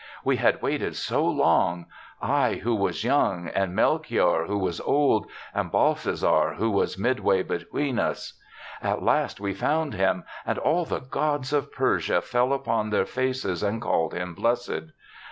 "We had waited so long, I who was young, and Melchior who THE SEVENTH CHRISTMAS 53 was old, and Balthazar who was mid way between us. At last we found him, and all the gods of Persia fell upon their faces and called him blessed.